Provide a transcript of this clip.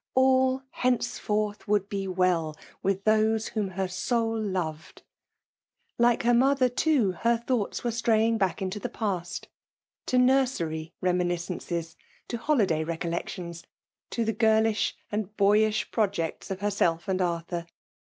All, henceforth, would be wtA with those whom her soul loved ! Like her mother, too, her thoughts were .FEMALE DOMINATION. 209 straying back into the past — to nursery remi« niacences — to holiday recollections — to the girlish and boyish projects of herself and Ar thur.